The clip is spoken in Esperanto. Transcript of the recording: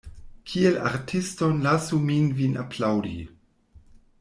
Kiel artiston lasu min vin aplaŭdi.